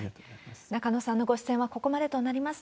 中野さんのご出演はここまでとなります。